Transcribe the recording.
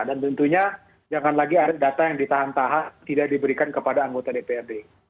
dan tentunya jangan lagi ada data yang ditahan tahap tidak diberikan kepada anggota dpr dki